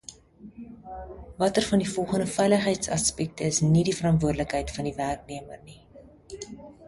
Watter van die volgende veiligheidsaspekte is nie die verantwoordelikheid van die werknemer nie?